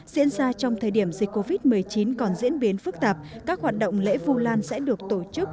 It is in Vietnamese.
diễn ra trong thời điểm dịch covid một mươi chín còn diễn biến phức tạp các hoạt động lễ vu lan sẽ được tổ chức